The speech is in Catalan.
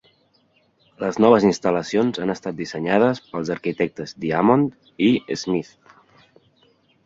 Les noves instal·lacions han estat dissenyades pels arquitectes Diamond i Smith.